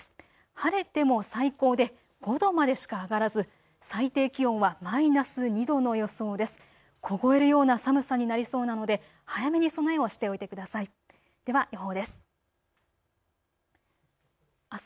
晴れても最高で５度までしか上がらず最低気温はマイナス２度の予想です。